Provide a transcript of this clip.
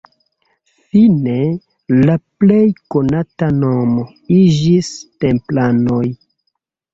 Fine, la plej konata nomo iĝis "templanoj".